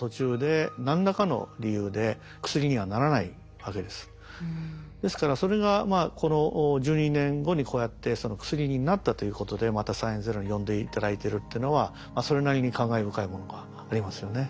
統計的にはですからそれがこの１２年後にこうやって薬になったということでまた「サイエンスＺＥＲＯ」に呼んで頂いてるっていうのはそれなりに感慨深いものがありますよね。